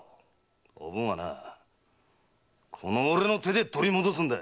おぶんはなこの俺の手で取り戻すんだ！